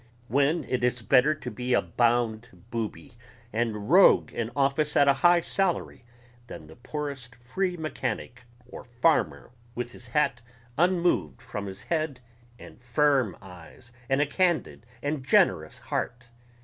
when it is better to be a bound booby and rogue in office at a high salary than the poorest free mechanic or farmer with his hat unmoved from his head and firm eyes and a candid and generous heart